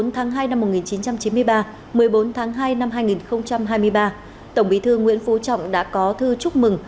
một mươi tháng hai năm một nghìn chín trăm chín mươi ba một mươi bốn tháng hai năm hai nghìn hai mươi ba tổng bí thư nguyễn phú trọng đã có thư chúc mừng